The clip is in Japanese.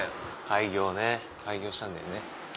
開業ね開業したんだよね。